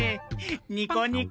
ニコニコ。